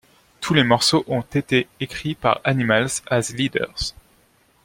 Tous les morceaux ont été écrits par Animals as Leaders.